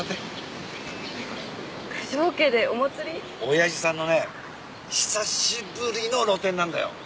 親父さんのね久しぶりの露店なんだよ。